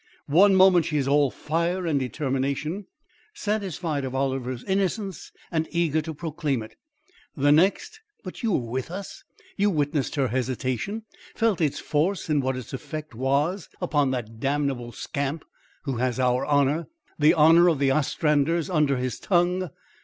One moment she was all fire and determination, satisfied of Oliver's innocence and eager to proclaim it. The next but you were with us. You witnessed her hesitation felt its force and what its effect was upon the damnable scamp who has our honour the honour of the Ostranders under his tongue.